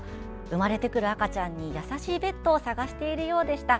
生まれてくる赤ちゃんに優しいベッドを探しているようでした。